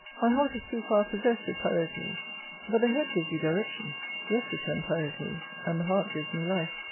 " My heart is; too far possessed," said Pyrocles. " But the head gives youj direction." " Yes," returned Pyrocles, and the heart gives' me life.